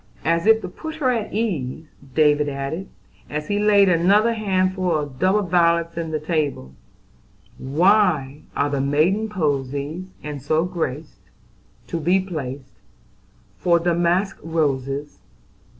] As if to put her at ease David added, as he laid another handful of double violets on the table: "'Y' are the maiden posies, And so graced, To be placed Fore damask roses.